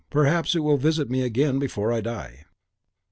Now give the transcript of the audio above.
Perhaps it will visit me again before I die."